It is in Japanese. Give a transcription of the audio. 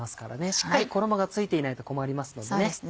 しっかり衣が付いていないと困りますのでね。